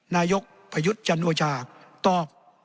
นายกประยุทธ์จันทร์โนชาติตอบ